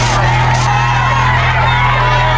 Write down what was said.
๑๐แก้วนะครับ